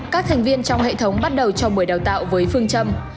các thành viên trong hệ thống bắt đầu cho buổi đào tạo với phương châm